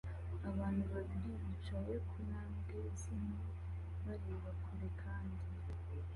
Abantu babiri bicaye ku ntambwe zimwe bareba kure kandi